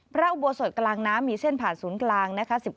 อุโบสถกลางน้ำมีเส้นผ่านศูนย์กลางนะคะ